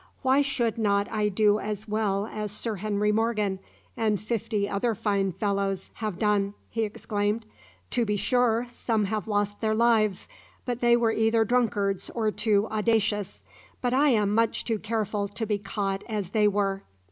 "Why should not I do as well as Sir Henry Morgan, and fifty other fine fellows have done?" he exclaimed. "To be sure, some have lost their lives, but they were either drunkards or too audacious but I am much too careful to be caught as they were."